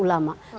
itu daerah ulama